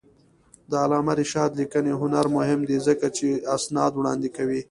د علامه رشاد لیکنی هنر مهم دی ځکه چې اسناد وړاندې کوي.